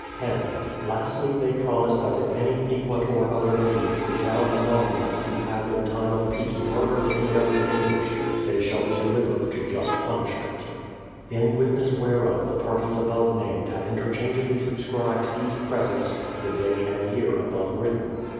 10. Lastly they promise that if any Pequot or other Indians be found among them who have in time of peace murdered any of the English, they shall be delivered to just punishment. THE PLYMOUTH SETTLEMENT 337 In witness whereof the parties above named have interchangeabty subscribed these presents, the day and year above written.